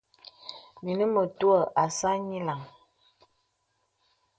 Mìnī mətuə̀ àsā nyìləŋ.